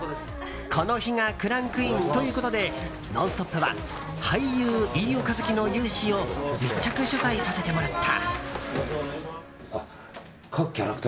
この日がクランクインということで「ノンストップ！」は俳優・飯尾和樹の雄姿を密着取材させてもらった。